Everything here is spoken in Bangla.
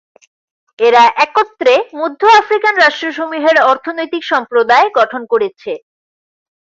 এরা একত্রে মধ্য আফ্রিকান রাষ্ট্রসমূহের অর্থনৈতিক সম্প্রদায় গঠন করেছে।